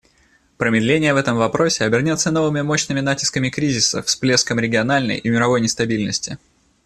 Промедление в этом вопросе обернется новыми мощными натисками кризиса, всплеском региональной и мировой нестабильности.